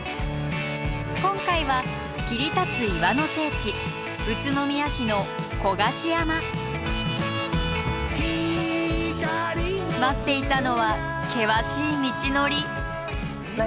今回は切り立つ岩の聖地宇都宮市の待っていたのは険しい道のり。